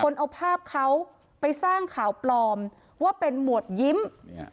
เอาภาพเขาไปสร้างข่าวปลอมว่าเป็นหมวดยิ้มเนี่ย